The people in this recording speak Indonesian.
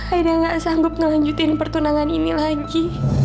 akhirnya gak sanggup ngelanjutin pertunangan ini lagi